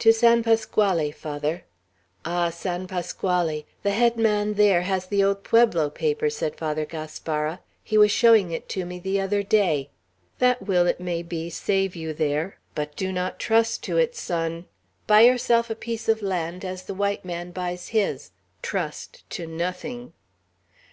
"To San Pasquale, Father." "Ah! San Pasquale! The head man there has the old pueblo paper," said Father Gaspara. "He was showing it to me the other day. That will, it may be, save you there. But do not trust to it, son. Buy yourself a piece of land as the white man buys his. Trust to nothing."